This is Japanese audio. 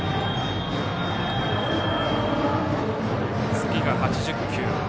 次が８０球。